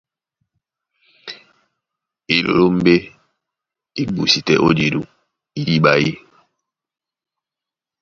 Elólómbé é búsi tɛ́ ó jedú idiɓa yî.